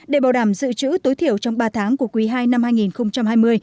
để bảo đảm dự trữ tối thiểu trong ba tháng của quý ii năm hai nghìn hai mươi